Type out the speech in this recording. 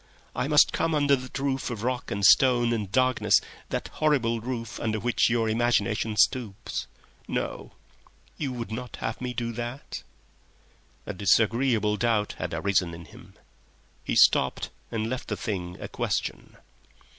I must come under that roof of rock and stone and darkness, that horrible roof under which your imaginations stoop ... No; you would not have me do that?" A disagreeable doubt had arisen in him. He stopped and left the thing a question.